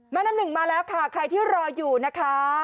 แม่น้ำหนึ่งมาแล้วค่ะใครที่รออยู่นะคะ